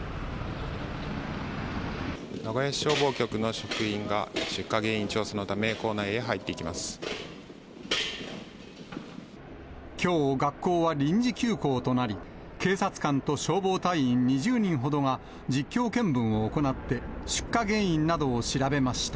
名古屋市消防局の職員が出火原因調査のため、きょう、学校は臨時休校となり、警察官と消防隊員２０人ほどが実況見分を行って、出火原因などを調べました。